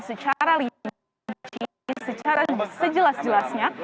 secara secara sejelas jelasnya